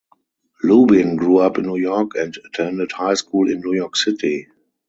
Lubin grew up in New York and attended high school in New York City.